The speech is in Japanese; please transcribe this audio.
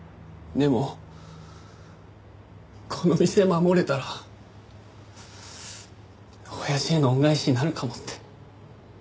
でもこの店守れたらおやじへの恩返しになるかもって。